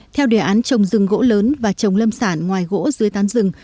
theo đề án trồng rừng gỗ lớn và trồng lâm sản ngoài gỗ dưới tán rừng